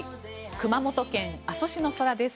熊本県阿蘇市の空です。